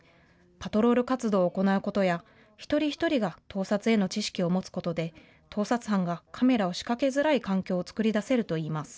パトロール活動を行うことや一人一人が盗撮への知識を持つことで盗撮犯がカメラを仕掛けづらい環境を作り出せるといいます。